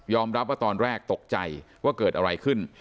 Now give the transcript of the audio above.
รับว่าตอนแรกตกใจว่าเกิดอะไรขึ้น